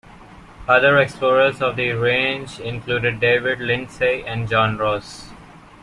Other explorers of the range included David Lindsay and John Ross.